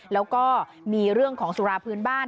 แล้วก็มีเรื่องของสุราพื้นบ้าน